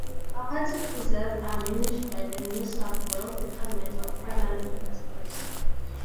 Aquatic reserves are managed by the New South Wales Department of Primary Industries.